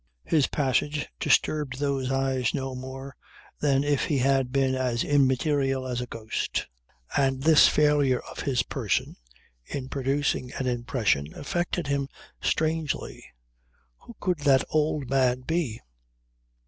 His passage disturbed those eyes no more than if he had been as immaterial as a ghost. And this failure of his person in producing an impression affected him strangely. Who could that old man be?